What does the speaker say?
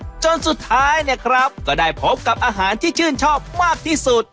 จนสุดท้ายเนี่ยครับก็ได้พบกับอาหารที่ชื่นชอบมากที่สุด